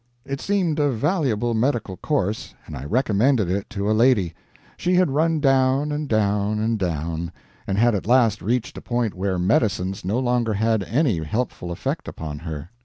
It seemed a valuable medical course, and I recommended it to a lady. She had run down and down and down, and had at last reached a point where medicines no longer had any helpful effect upon her.